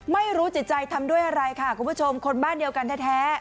ไม่รู้จิตใจทำด้วยอะไรค่ะคุณผู้ชมคนบ้านเดียวกันแท้